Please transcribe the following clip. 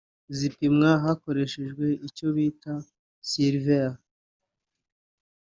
zipimwa hakoreshejwe icyo bita ’Sievert (Sv)’